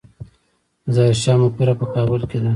د ظاهر شاه مقبره په کابل کې ده